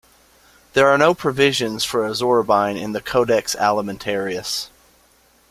There are no provisions for azorubine in the Codex Alimentarius.